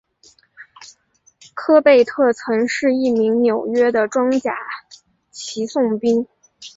科贝特曾是一名纽约的装甲骑送兵。